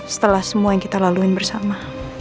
setelah semua yang kita lalui bersama